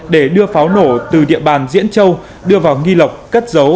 để đưa pháo nổ từ địa bàn diễn châu đưa vào nghi lộc cất giấu